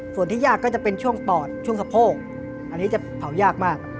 ส่วนที่ยากก็จะเป็นช่วงปอดช่วงสะโพกอันนี้จะเผายากมาก